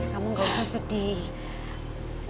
kamu gak usah sedih